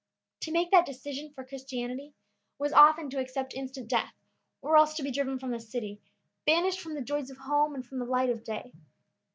To make that decision for Christianity was often to accept instant death, or else to be driven from the city, banished from the joys of home and from the light of day.